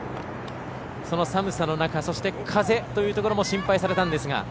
その寒さ、風というところも心配されたんですが。